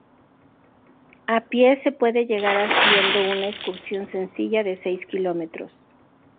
A pie se puede llegar haciendo una excursión sencilla de seis kilómetros.